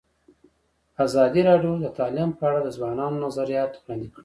ازادي راډیو د تعلیم په اړه د ځوانانو نظریات وړاندې کړي.